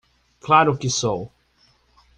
Claro que sou!